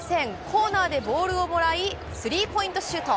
コーナーでボールをもらい、スリーポイントシュート。